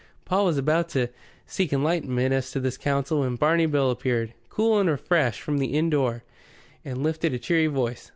Paul was about to seek enlightenment as to this counsel when Barney Bill appeared, cool and refreshed, from the inn door, and lifted a cheery voice.